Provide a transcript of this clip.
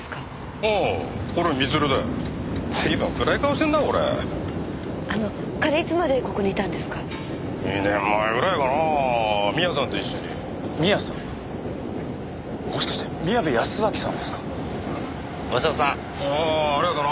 ああありがとな。